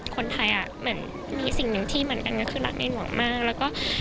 คนไทยมีสิ่งหนึ่งที่เหมือนกันก็คือรักในหลวงมาก